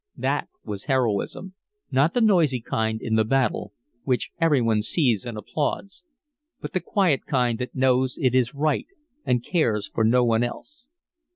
That was heroism; not the noisy kind in the battle, which every one sees and applauds, but the quiet kind that knows it is right and cares for no one else.